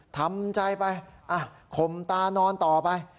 ทำใจไปข่มตานอนต่อไป